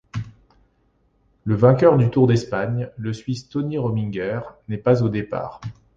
Le vainqueur du Tour d'Espagne, le Suisse Tony Rominger, n'est pas au départ.